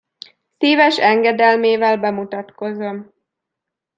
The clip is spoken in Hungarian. Szíves engedelmével bemutatkozom.